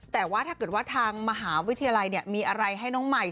แต่ว่าถ้าเกิดว่าทางมหาวิทยาลัยมีอะไรให้น้องใหม่